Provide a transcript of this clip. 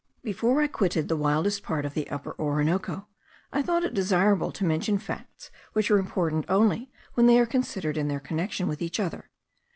Before I quitted the wildest part of the Upper Orinoco, I thought it desirable to mention facts which are important only when they are considered in their connection with each other.